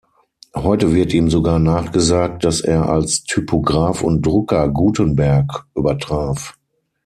Heute wird ihm sogar nachgesagt, dass er als Typograf und Drucker Gutenberg übertraf.